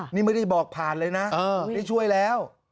นี่ไม่ได้บอกผ่านเลยนะได้ช่วยแล้ว